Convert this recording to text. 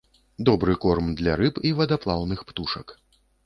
Добры корм для рыб і вадаплаўных птушак.